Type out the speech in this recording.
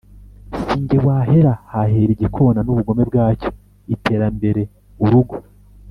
si nge wahera, hahera igikona n’ubugome bwacyo.iterambere ’urugo